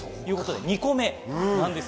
２個目です。